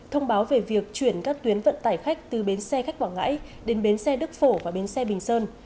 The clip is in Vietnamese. thông báo về việc chuyển các tuyến vận tải khách từ bến xe khách quảng ngãi đến bến xe đức phổ và bến xe bình sơn